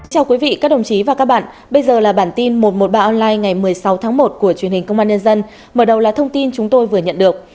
chào quý vị các đồng chí và các bạn bây giờ là bản tin một trăm một mươi ba online ngày một mươi sáu tháng một của truyền hình công an nhân dân mở đầu là thông tin chúng tôi vừa nhận được